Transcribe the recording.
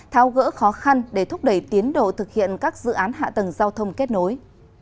thao gỡ khó khăn để thúc đẩy tiến độ thực hiện các dự án hạ tầng giao thông kết nối